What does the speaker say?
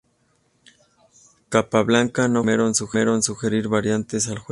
Capablanca no fue el primero en sugerir variantes al juego.